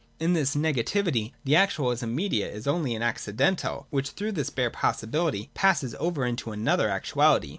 In this negativity, the actual, as immediate, is only an accidental which through this bare possibihty passes over into another actuality.